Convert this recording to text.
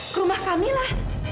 ke rumah kamila